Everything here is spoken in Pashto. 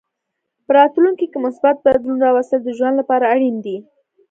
په راتلونکې کې مثبت بدلون راوستل د ژوند لپاره اړین دي.